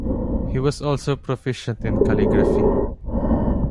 He was also proficient in calligraphy.